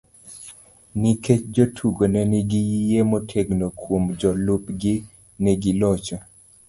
Nikech jotugo ne nigi yie motegno kuom jolupgi, ne gilocho.